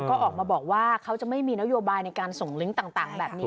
ก็ออกมาบอกว่าเขาจะไม่มีนโยบายในการส่งลิงก์ต่างแบบนี้